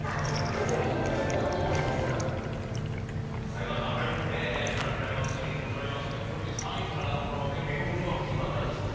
江川さん、来週からクライマックスシリーズが始まりますけれども巨人は３位からの下剋上のキーマンは誰でしょう。